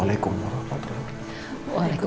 waalaikumsalam warahmatullahi wabarakatuh